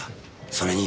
それに。